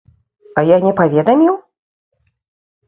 А я не паведаміў?